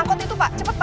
aku mau ke rumah